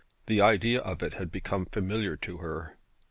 The idea of it had become familiar to her.